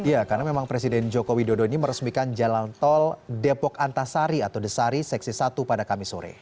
ya karena memang presiden joko widodo ini meresmikan jalan tol depok antasari atau desari seksi satu pada kamis sore